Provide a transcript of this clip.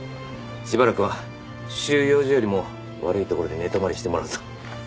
しばらくは収容所よりも悪い所で寝泊まりしてもらうぞ。